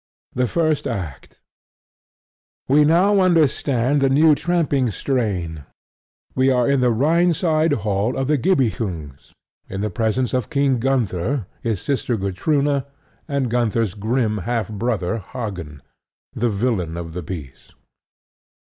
The First Act We now understand the new tramping strain. We are in the Rhineside hall of the Gibichungs, in the presence of King Gunther, his sister Gutrune, and Gunther's grim half brother Hagen, the villain of the piece.